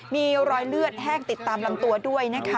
มีรอยเลือดแห้งติดตามลำตัวด้วยนะคะ